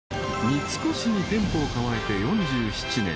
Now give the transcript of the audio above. ［三越に店舗を構えて４７年。